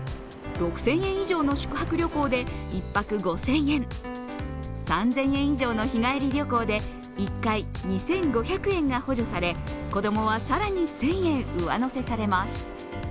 ６０００円以上の宿泊旅行で１泊５０００円、３０００円以上の日帰り旅行で１回２５００円が上乗せされ子供は更に１０００円上乗せされます。